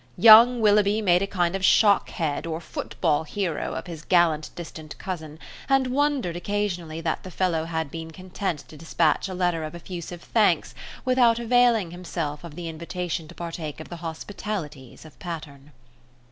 Young Willoughby made a kind of shock head or football hero of his gallant distant cousin, and wondered occasionally that the fellow had been content to dispatch a letter of effusive thanks without availing himself of the invitation to partake of the hospitalities of Patterne.